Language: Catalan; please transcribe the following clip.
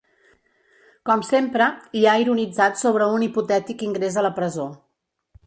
Com sempre, i ha ironitzat sobre un hipotètic ingrés a la presó.